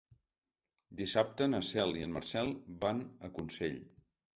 Dissabte na Cel i en Marcel van a Consell.